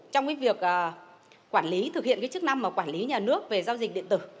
trong việc thực hiện chức năng quản lý nhà nước về giao dịch điện tử